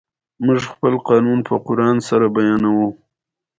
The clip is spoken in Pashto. که ناسم تاثر ورکړې، خبره زیان لري